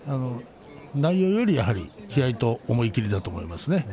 内容より、やはり気合いと思い切りだと思います。